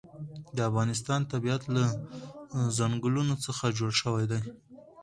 د افغانستان طبیعت له چنګلونه څخه جوړ شوی دی.